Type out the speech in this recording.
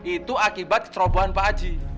itu akibat kecerobohan pak haji